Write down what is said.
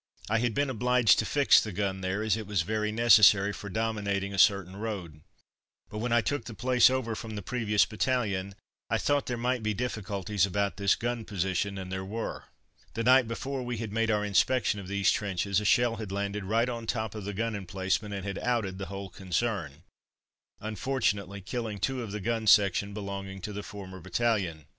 I had been obliged to fix the gun there, as it was very necessary for dominating a certain road. But when I took the place over from the previous battalion, I thought there might be difficulties about this gun position, and there were. The night before we had made our inspection of these trenches, a shell had landed right on top of the gun emplacement and had "outed" the whole concern, unfortunately killing two of the gun section belonging to the former battalion.